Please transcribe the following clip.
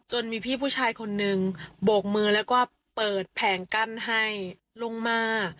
มีพี่ผู้ชายคนนึงโบกมือแล้วก็เปิดแผงกั้นให้ลงมา